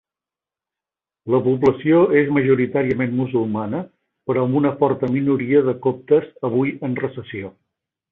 La població és majoritàriament musulmana però amb una forta minoria de coptes avui en recessió.